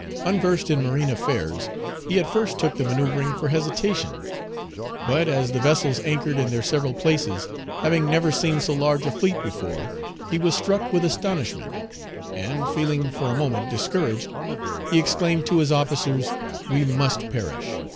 Unversed in marine affairs, he at first took the manoeuvring for hesitation. But, as the vessels anchored in their several places, having never seen so large a fleet before, he was struck with astonishment, and feeling for a moment discouraged, he exclaimed to his officers, "We must perish.